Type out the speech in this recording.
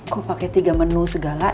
kok pakai tiga menu segala